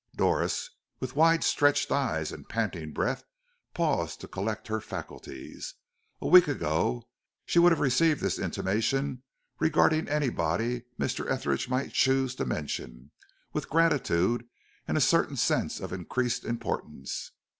Doris, with wide stretched eyes and panting breath, paused to collect her faculties. A week ago she would have received this intimation regarding anybody Mr. Etheridge might choose to mention, with gratitude and a certain sense of increased importance.